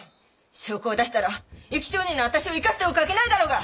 証拠を出したら生き証人の私を生かしておく訳ないだろうが！